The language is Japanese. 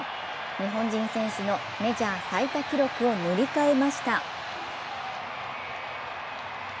日本人選手のメジャー最多記録を塗り替えました。